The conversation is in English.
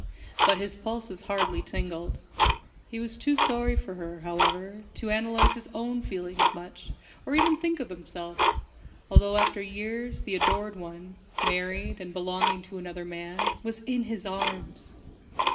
But his pulses hardly tingled. He was too sorry for her, however, to analyze his own feelings much, or even think of himself, although after years the Adored One married, and belonging to another man was in his arms!